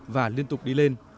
và liên tục đi lên